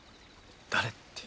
誰って。